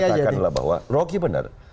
adalah bahwa roky benar